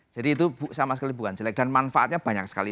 jadi itu sama sekali bukan jelek dan manfaatnya banyak sekali